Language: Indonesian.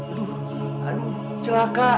ah aduh celaka